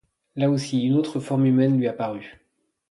Là, aussi, une autre forme humaine lui apparut